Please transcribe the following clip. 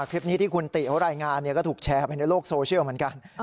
คลิปนี้ที่คุณติเขารายงานก็ถูกแชร์ไปในโลกโซเชียลเหมือนกัน